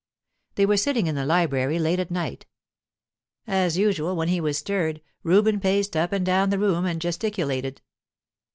They were sitting in the library, late at night. As usual when he was stirred, Reuben paced up and down the room and gesticulated.